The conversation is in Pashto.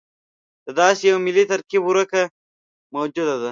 د داسې یوه ملي ترکیب ورکه موجوده ده.